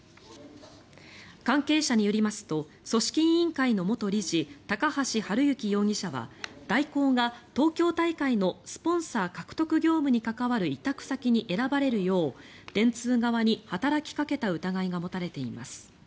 関係者によりますと組織委員会の元理事高橋治之容疑者は大広が東京大会のスポンサー獲得業務に関わる委託先に選ばれるよう電通側に働きかけた疑いが持たれています。